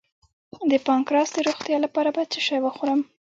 د پانکراس د روغتیا لپاره باید څه شی وخورم؟